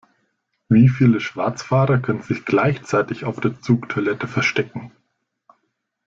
Wie viele Schwarzfahrer können sich gleichzeitig auf der Zugtoilette verstecken?